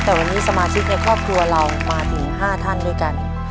แต่วันนี้สมาชิกในครอบครัวเรามาถึง๕ท่านด้วยกัน